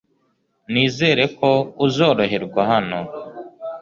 Nizere ko uzoroherwa hano .